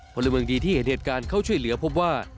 พลเมืองดีที่เห็นเหตุการณ์เข้าช่วยเหลือพบว่า